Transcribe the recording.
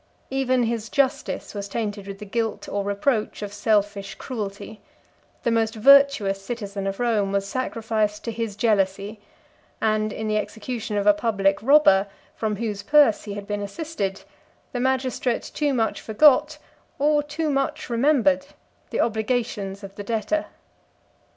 Even his justice was tainted with the guilt or reproach of selfish cruelty: the most virtuous citizen of Rome was sacrificed to his jealousy; and in the execution of a public robber, from whose purse he had been assisted, the magistrate too much forgot, or too much remembered, the obligations of the debtor.